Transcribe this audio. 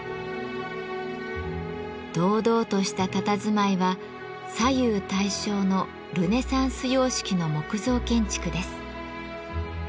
堂々としたたたずまいは左右対称のルネサンス様式の木造建築です。